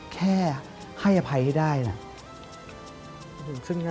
แค่ให้อภัยให้ได้นะ